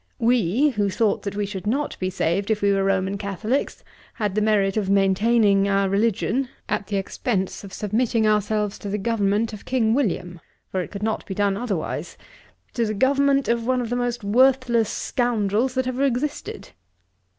We, who thought that we should not be saved if we were Roman Catholicks, had the merit of maintaining our religion, at the experience of submitting ourselves to the government of King William, (for it could not be done otherwise,) to the government of one of the most worthless scoundrels that ever existed.